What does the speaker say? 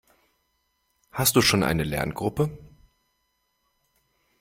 Hast du schon eine Lerngruppe?